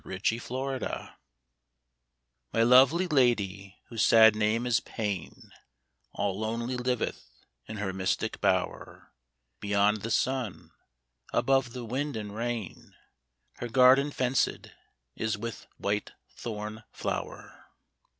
56 patn M Y lovely lady whose sad name is Pain All lonely liveth in her mystic bower, Beyond the sun, above the wind and rain ; Her garden fenced is with white thorn flower.